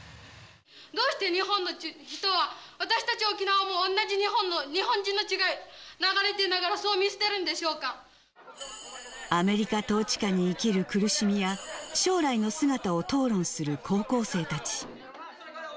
どうして日本の人は、私たち沖縄も同じ日本人の血が流れていながら、そう見捨てるんでアメリカ統治下に生きる苦しみや、将来の姿を討論する高校生たち。